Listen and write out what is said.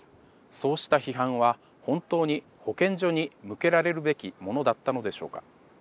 そうした批判は本当に保健所に向けられるべきものだったのでしょうか？